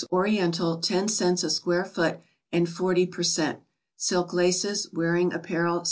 Oriental, 10 cts. a square foot and 40 per cervt.; silk laces, wearing ap parel, 60.